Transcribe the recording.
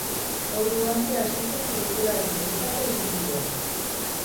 Orduantxe hasi zen pelikularen benetako ibilbidea.